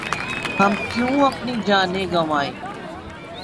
ہم کیوں اپنی جانیں گنوائیں ۔